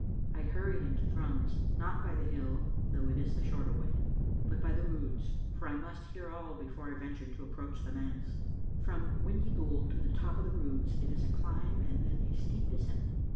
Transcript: I hurried into Thrums, not by the hill, though it is th# shorter way, but by the Roods, for I must hear all before I ventured to approach the manse. From Windyghoul to the top of the Roods it is a climb and then a steep descent.